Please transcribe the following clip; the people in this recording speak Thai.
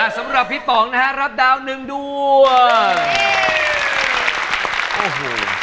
สำหรับพี่ป๋องนะครับรับดาว๑ดวง